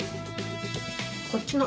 こっちの